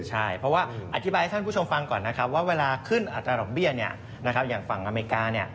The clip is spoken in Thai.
ใช่เพราะว่าอธิบายให้ท่านผู้ชมฟังก่อนนะครับว่าเวลาขึ้นอัตราดอกเบี้ยอย่างฝั่งอเมริกา